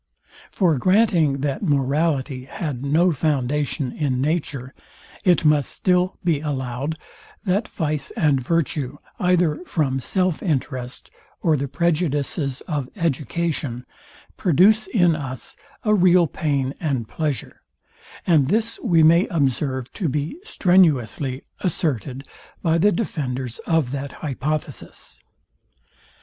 For granting that morality had no foundation in nature, it must still be allowed, that vice and virtue, either from self interest or the prejudices of education, produce in us a real pain and pleasure; and this we may observe to be strenuously asserted by the defenders of that hypothesis.